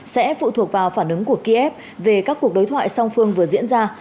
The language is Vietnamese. sẽ phụ thuộc vào phản ứng của kiev về các cuộc đối thoại song phương vừa diễn ra